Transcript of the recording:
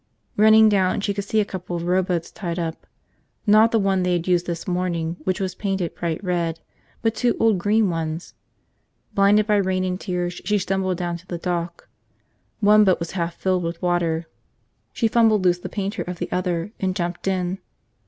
Running down, she could see a couple of rowboats tied up, not the one they had used this morning, which was painted bright red, but two old green ones. Blinded by rain and tears, she stumbled down to the dock. One boat was half filled with water. She fumbled loose the painter of the other and jumped in.